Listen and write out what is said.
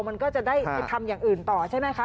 มันก็จะได้ทำอย่างอื่นต่อใช่ไหมคะ